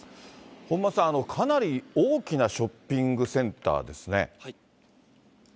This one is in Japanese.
本間さん、かなり大きなショッピングセンターですね。